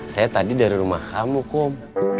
saya tadi dari rumah kamu kok